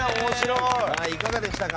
いかがでしたか？